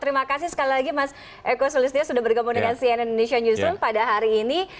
terima kasih sekali lagi mas eko solistio sudah berkomunikasi dengan indonesian newsroom pada hari ini